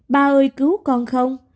ba ơi cứu con không